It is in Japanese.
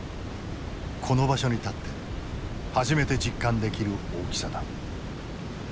この場所に立って初めて実感できる大きさだ。